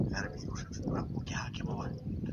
آیا د مسمومیت له امله د انسان په لاسونو کې لړزه پیدا کیږي؟